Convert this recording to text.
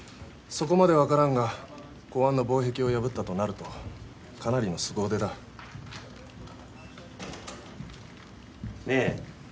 そこまでは分からんが公安の防壁を破ったとなるとかなりのすご腕だねえ